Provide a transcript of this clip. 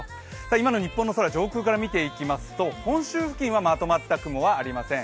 今の日本の空、上空から見ていきますと本州付近はまとまった雲はありません。